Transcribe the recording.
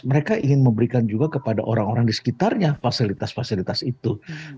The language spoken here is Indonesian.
mereka ingin memberikan juga kepada orang orang di sekitarnya fasilitas fasilitas itu